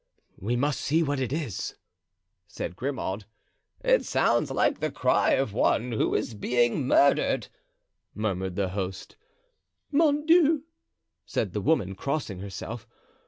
"We must see what it is," said Grimaud. "It sounds like the cry of one who is being murdered," murmured the host. "Mon Dieu!" said the woman, crossing herself.